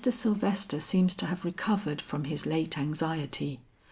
Sylvester seems to have recovered from his late anxiety.